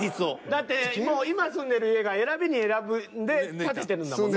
だってもう今住んでる家が選びに選んで建ててるんだもんね。